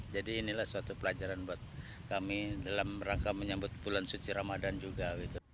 jadi inilah suatu pelajaran buat kami dalam rangka menyambut bulan suci ramadan juga